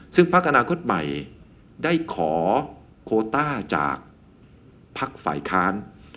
ซึ่งพักอนาคตใหม่ได้ขอโคต้าจากภักดิ์ฝ่ายค้าน